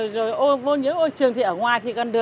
rồi ô nhiễm môi trường thì ở ngoài